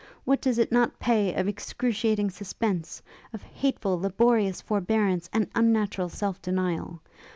What does it not pay of excruciating suspense, of hateful, laborious forebearance and unnatural self denial?